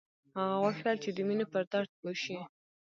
هغه غوښتل چې د مینې پر درد پوه شي